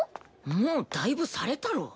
もうだいぶされたろ。